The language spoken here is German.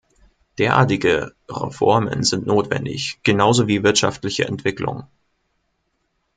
Derartige Reformen sind notwendig, genauso wie wirtschaftliche Entwicklung.